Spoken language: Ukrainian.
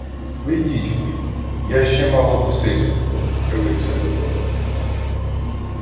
— Ви йдіть, вуйку, я ще мало посидю тут-о, — вхилився Людота.